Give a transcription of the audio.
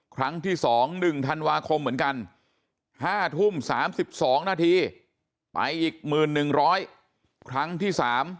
ครั้งที่๒๑ธันวาคมเหมือนกัน๕ทุ่ม๓๒นาทีไปอีก๑๑๐๐ครั้งที่๓